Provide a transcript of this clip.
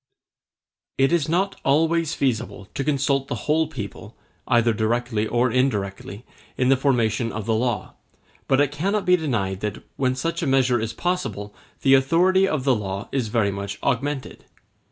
It is not always feasible to consult the whole people, either directly or indirectly, in the formation of the law; but it cannot be denied that, when such a measure is possible the authority of the law is very much augmented.